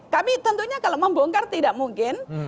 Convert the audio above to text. kami tentunya kalau membongkar tidak mungkin